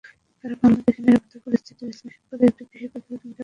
তারা বাংলাদেশের নিরাপত্তা পরিস্থিতি বিশ্লেষণ করে একটি প্রতিবেদন জমা দেবেন তাদের দেশে।